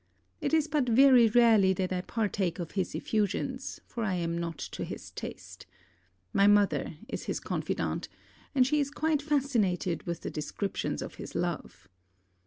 It is but very rarely that I partake of his effusions, for I am not to his taste. My mother is his confidante; and she is quite fascinated with the descriptions of his love.